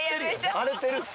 荒れてるって。